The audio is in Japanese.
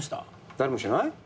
誰もしてない。